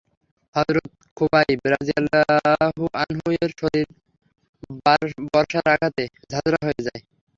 হযরত খুবাইব রাযিয়াল্লাহু আনহু-এর শরীর বর্শার আঘাতে ঝাঁঝরা হয়ে যায়।